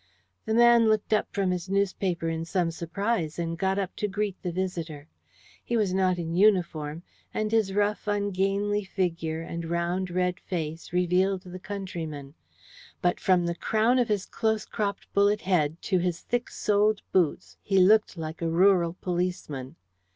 The man looked up from his newspaper in some surprise, and got up to greet his visitor. He was not in uniform, and his rough, ungainly figure and round red face revealed the countryman, but from the crown of his close cropped bullet head to his thick soled boots he looked like a rural policeman.